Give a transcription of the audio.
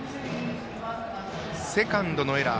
セカンドのエラー。